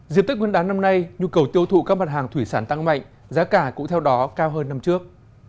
dịp tết nguyên đán năm nay nhu cầu tiêu thụ các mặt hàng thủy sản tăng mạnh giá cả cũng theo đó cao hơn năm trước